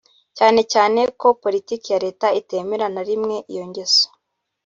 cyane cyane ko politiki ya Leta itemera na rimwe iyo ngeso